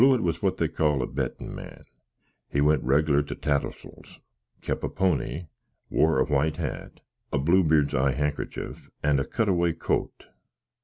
Blewitt was what they call a bettin man: he went reglar to Tattlesall's, kep a pony, wore a white hat, a blue berd's eye handkercher, and a cut away coat.